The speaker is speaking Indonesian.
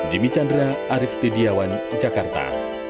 jimmy chandra arief tidiawan jakarta